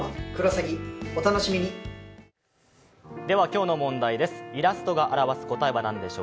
今日の問題です。